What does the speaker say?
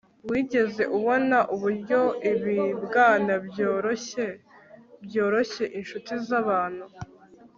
wigeze ubona uburyo ibibwana byoroshye byoroshye inshuti zabantu